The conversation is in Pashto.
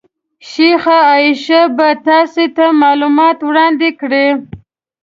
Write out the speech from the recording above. شیخه عایشه به تاسې ته معلومات وړاندې کړي.